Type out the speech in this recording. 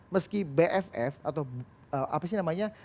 meski bff atau apa sih namanya